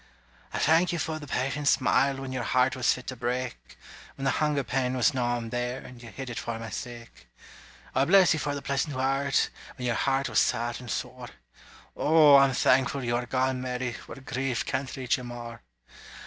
I thank you for the patient smile When your heart was fit to break, When the hunger pain was gnawin' there, And you hid it for my sake; I bless you for the pleasant word, When your heart was sad and sore, O, I'm thankful you are gone, Mary, Where grief can't reach you more!